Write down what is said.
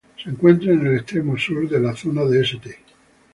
Se encuentra en el extremo sur de la zona de St.